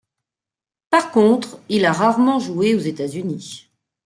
Par contre, il a rarement joué aux États-Unis.